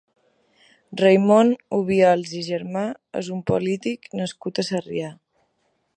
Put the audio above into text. Raimon Obiols i Germà és un polític nascut a Sarrià.